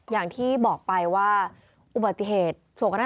อย่างที่บอกไปว่าอุบัติเหตุส่วนการน่าตากรรมครั้งนี้